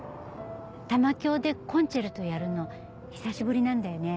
玉響で『コンチェルト』やるの久しぶりなんだよね。